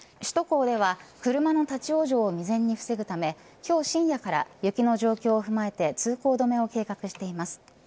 首都高では車の立ち往生を未然に防ぐため今日深夜から雪の状況を踏まえて通行止めを計画しています。